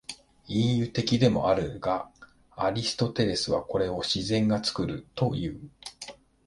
隠喩的でもあるが、アリストテレスはこれを「自然が作る」という。